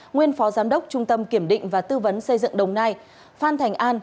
nguyên phó giám đốc trung tâm kiểm định và tư vấn xây dựng đồng nai phan thành an